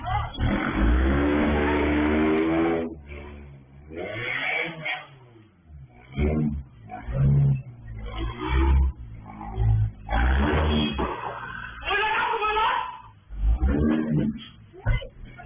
ในค่าโจรขโมยรถค่ะรถเก๋งศีรษะเทาขับเข้าไปเร็วเลย